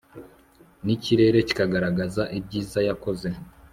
n'ikirere kikagaragaza ibyiza yakoze